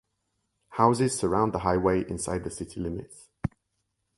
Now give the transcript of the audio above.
Houses surround the highway inside the city limits.